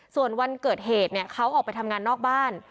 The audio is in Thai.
ส่วนวันเกิดเหตุเขาออกไปทำงานนอกบ้าน